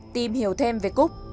tìm hiểu thêm về cúc